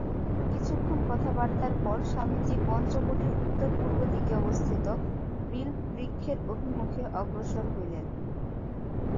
কিছুক্ষণ কথাবার্তার পর স্বামীজী পঞ্চবটীর উত্তর-পূর্ব দিকে অবস্থিত বিল্ববৃক্ষের অভিমুখে অগ্রসর হইলেন।